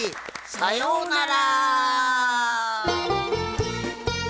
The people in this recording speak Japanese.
さようなら！